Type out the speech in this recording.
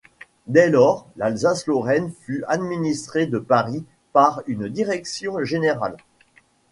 Dès lors, l’Alsace-Lorraine fut administrée de Paris par une direction générale.